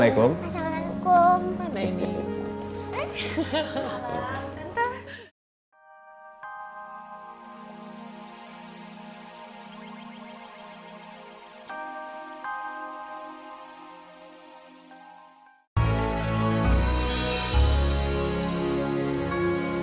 aku gak sabar bisa pulang ke rumah sama kamu